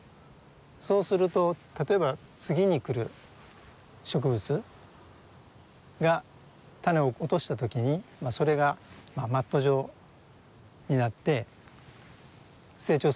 そうすると例えば次に来る植物が種を落とした時にそれがマット状になって成長するわけですね。